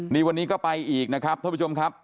นี่วันนี้ก็ไปอีกนะครับท่านผู้ชมครับ